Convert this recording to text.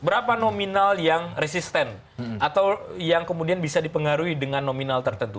berapa nominal yang resisten atau yang kemudian bisa dipengaruhi dengan nominal tertentu